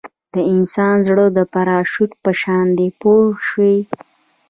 د انسان زړه د پراشوټ په شان دی پوه شوې!.